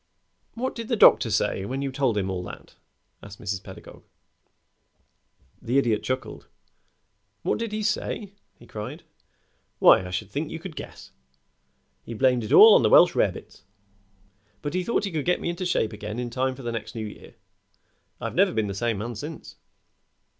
"What did the doctor say when you told him all that?" asked Mrs. Pedagog. The Idiot chuckled. "What did he say?" he cried. "Why, I should think you could guess. He blamed it all on the Welsh rarebits, but he thought he could get me into shape again in time for the next New Year. I've never been the same man since."